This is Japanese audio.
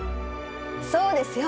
そうですよ